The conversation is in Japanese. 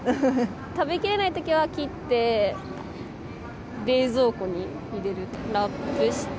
食べきれないときは切って、冷蔵庫に入れる。